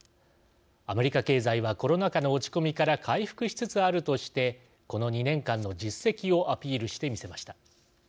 アメリカ経済はコロナ禍の落ち込みから回復しつつあるとしてこの２年間の実績をアピールして見せました。